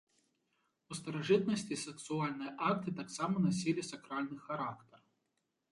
У старажытнасці сексуальныя акты таксама насілі сакральны характар.